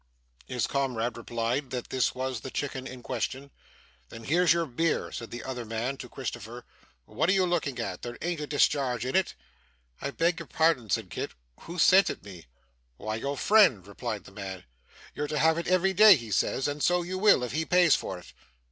His comrade replied that this was the chicken in question. 'Then here's your beer,' said the other man to Christopher. 'What are you looking at? There an't a discharge in it.' 'I beg your pardon,' said Kit. 'Who sent it me?' 'Why, your friend,' replied the man. 'You're to have it every day, he says. And so you will, if he pays for it.